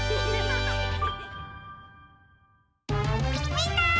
みんな！